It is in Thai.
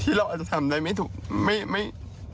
เราอาจจะทำได้ไม่ถูกไม่